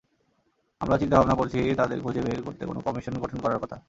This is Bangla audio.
আমরা চিন্তাভাবনা করছি, তাঁদের খুঁজে বের করতে কোনো কমিশন গঠন করার কথা।